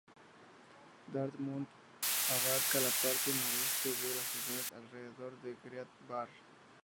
Dartmouth abarca la parte noreste de la ciudad, alrededor de Great Barr.